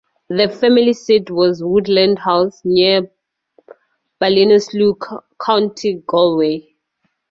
The family seat was Woodlawn House, near Ballinasloe, County Galway.